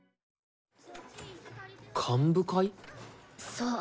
そう。